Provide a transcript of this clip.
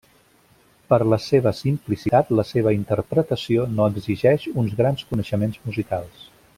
Per la seva simplicitat, la seva interpretació no exigeix uns grans coneixements musicals.